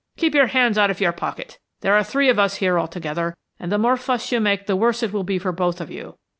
"Keep your hands out of your pocket there are three of us here altogether, and the more fuss you make the worse it will be for both of you.